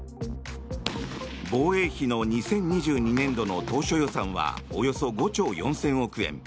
防衛費の２０２２年度の当初予算はおよそ５兆４０００億円